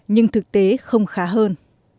nhưng thực tế không khá hơn